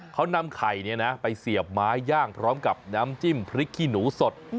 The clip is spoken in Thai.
เขานำไข่ไปเสียบไม้ย่างพร้อมกับน้ำจิ้มพริกขี้หนูสด